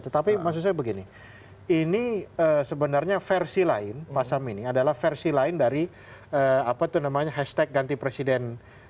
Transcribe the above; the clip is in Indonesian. tetapi maksud saya begini ini sebenarnya versi lain pak sam ini adalah versi lain dari apa itu namanya hashtag ganti presiden dua ribu sembilan belas